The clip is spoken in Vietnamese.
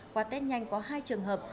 qua test nhanh có hai trường hợp